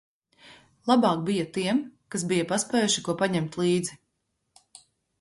Labāk bija tiem, kas bija paspējuši ko paņemt līdzi.